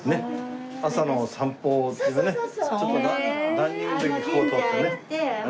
ランニングの時ここを通ってね。